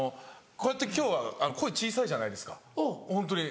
こうやって今日は声小さいじゃないですかホントに。